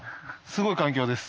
すごい環境です。